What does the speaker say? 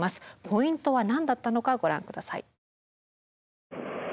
ポイントは何だったのかご覧ください。